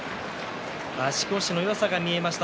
足腰のよさが見えました